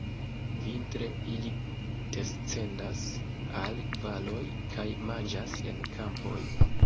Vintre ili descendas al valoj kaj manĝas en kampoj.